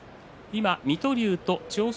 水戸龍と千代翔